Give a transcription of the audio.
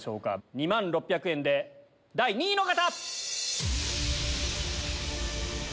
２万６００円で第２位の方！